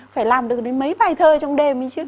phải làm được đến mấy bài thơ trong đêm